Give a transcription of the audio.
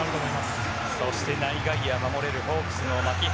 そして内外野を守れるホークスの牧原。